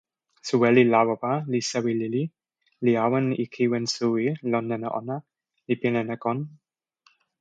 soweli Lawawa li sewi lili, li awen e kiwen suwi lon nena ona, li pilin e kon.